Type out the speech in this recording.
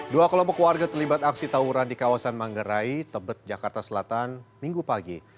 dua kelompok warga terlibat aksi tawuran di kawasan manggarai tebet jakarta selatan minggu pagi